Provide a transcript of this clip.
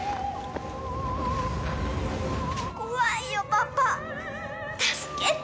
怖いよパパ助けて。